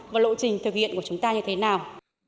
và lộ trình thực hiện của chúng ta như thế nào